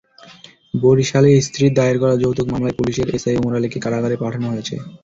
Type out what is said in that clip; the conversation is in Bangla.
বরিশালে স্ত্রীর দায়ের করা যৌতুক মামলায় পুলিশের এসআই ওমর আলীকে কারাগারে পাঠানো হয়েছে।